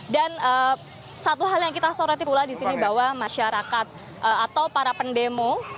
dan satu hal yang kita sorotin pula disini bahwa masyarakat atau para pendemo